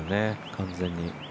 完全に。